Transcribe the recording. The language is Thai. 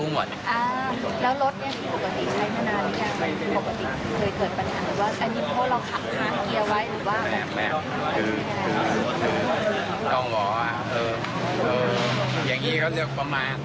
ไม่ได้อะไรจะเจ็บจะขึ้นแล้ว